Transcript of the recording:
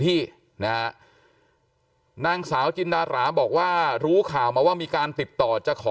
ที่นะฮะนางสาวจินดาราบอกว่ารู้ข่าวมาว่ามีการติดต่อจะขอ